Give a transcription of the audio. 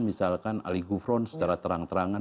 misalkan ali gufron secara terang terangan